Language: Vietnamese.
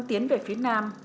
tiến về phía nam